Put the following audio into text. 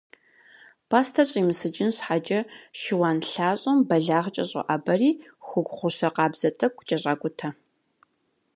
Пӏастэр щӏимысыкӏын щхьэкӏэ, шыуан лъащӏэм бэлагъкӏэ щӏоӏэбэри, хугу гъущэ къабзэ тӏэкӏу кӏэщӏакӏутэ.